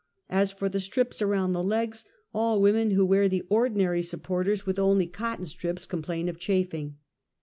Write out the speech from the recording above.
As for the strips around the legs, all women who wear the ordinary supporters with only cotton strips complain of chafiing.